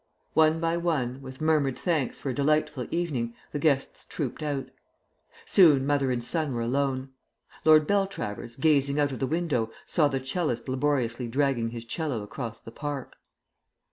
One by one, with murmured thanks for a delightful evening, the guests trooped out. Soon mother and son were alone. Lord Beltravers, gazing out of the window, saw the 'cellist laboriously dragging his 'cello across the park.